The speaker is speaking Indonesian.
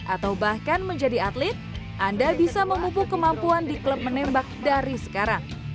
atau bahkan menjadi atlet anda bisa memupuk kemampuan di klub menembak dari sekarang